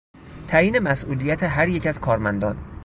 تعیین مسئولیت هر یک از کارمندان